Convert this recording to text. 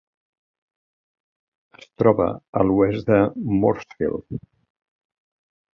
Es troba a l'oest de Moorefield.